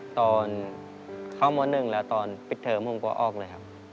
ตอนเข้าหมดหนึ่งแล้วตอนปิดเถิมผมกลัวออกเลยครับ